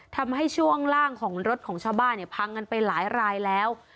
ทำให้ช่วงล่างของรถของชาวบ้านพังกันไปหลายแล้ว